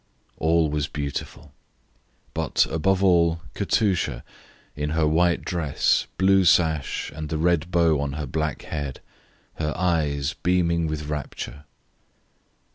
All was beautiful; but, above all, Katusha, in her white dress, blue sash, and the red bow on her black head, her eyes beaming with rapture.